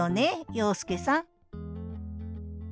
洋輔さん